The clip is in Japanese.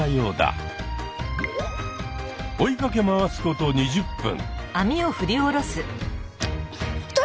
追いかけ回すこと２０分！